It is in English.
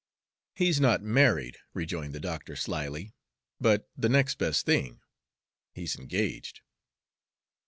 "He's not married," rejoined the doctor slyly, "but the next best thing he's engaged."